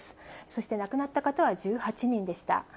そして亡くなった方は１８人でした。